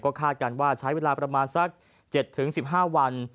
คาดกันว่าใช้เวลาประมาณสัก๗๑๕วัน